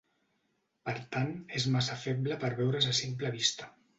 Per tant, és massa feble per veure's a simple vista.